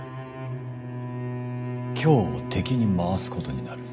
京を敵に回すことになる。